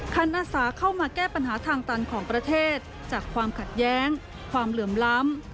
อาสาเข้ามาแก้ปัญหาทางตันของประเทศจากความขัดแย้งความเหลื่อมล้ำ